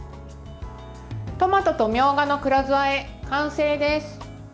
トマトとみょうがの黒酢あえ完成です。